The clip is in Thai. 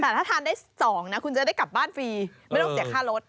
แต่ถ้าทานได้๒นะคุณจะได้กลับบ้านฟรีไม่ต้องเสียค่ารถ